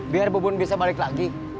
biar bubun bisa balik lagi